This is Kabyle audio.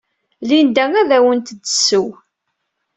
Linda ad awent-d-tesseww.